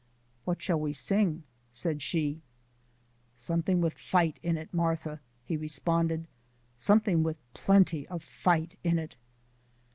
"What shall we sing?" said she. "Something with fight in it, Martha," he responded; "something with plenty of fight in it."